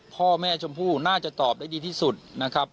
พ่อแม่ชมพู่น่าจะตอบได้ดีที่สุดนะครับ